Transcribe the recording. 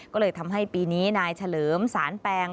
ก็เลยทำให้ปีนี้นายเฉลิมสารแปง